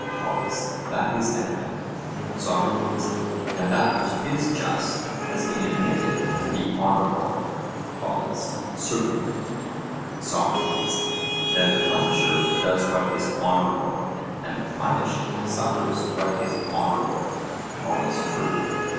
POLUS: That is evident. SOCRATES: And that which is just has been admitted to be honourable? POLUS: Certainly. SOCRATES: Then the punisher does what is honourable, and the punished suffers what is honourable? POLUS: True.